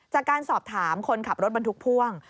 จากการสอบถามคนขับรถบรรทุกพ่วง